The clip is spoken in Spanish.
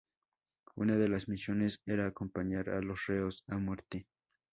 Una de las misiones era acompañar a los reos a muerte.